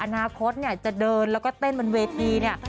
อนาคตเนี่ยจะเดินแล้วก็เต้นบนเวทีเนี่ย